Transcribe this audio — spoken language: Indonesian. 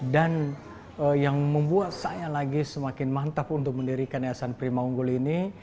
dan yang membuat saya lagi semakin mantap untuk mendirikan yayasan prima unggul ini